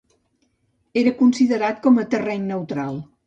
Era considerat com a terreny neutral.